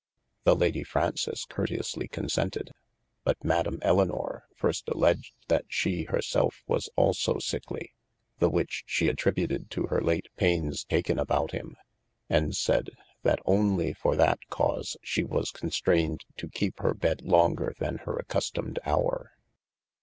The Lady Fraunces curteously consented, but Madame Elynor first alledged that she her selfe was also sickly, the which she attributed to hir late paynes taken about him and sayd, that onely for that cause she was constrayned to kepe hir bed longer than hir accustomed hower.